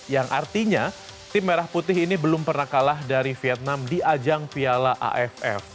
yang artinya tim merah putih ini belum pernah kalah dari vietnam di ajang piala aff